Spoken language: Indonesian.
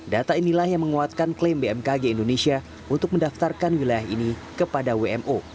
data inilah yang menguatkan klaim bmkg indonesia untuk mendaftarkan wilayah ini kepada wmo